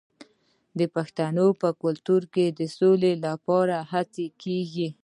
د پښتنو په کلتور کې د سولې لپاره هڅې کیږي.